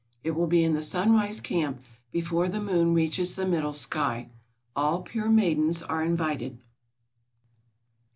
It will be in the Sunrise Camp before the moon reaches the middle sky. All pure maidens are invited."